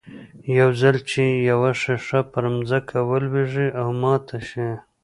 يو ځل چې يوه ښيښه پر ځمکه ولوېږي او ماته شي.